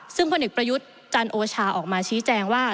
ซึ่งพลเอกประยุทธ์จันโอชาออกมาชี้แจงว่า